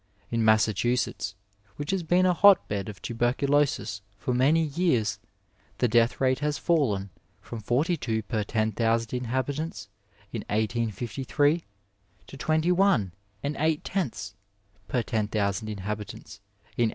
In Massachusetts, which has been a hot bed of tuberculosis for many years, the death rate has fallen from forty two per ten thousand inhabitants in 1853 to twenty one and eight tenths per ten thousand inhabitants in 1895.